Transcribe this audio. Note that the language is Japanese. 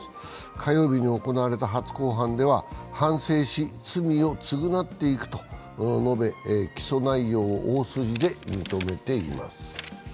火曜日に行われた初公判では反省し罪を償っていくと述べ起訴内容を大筋で認めています。